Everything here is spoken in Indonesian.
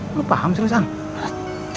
lo paham sih ustadz